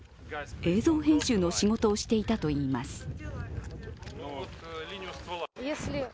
映像編集の仕事をしていたといいます。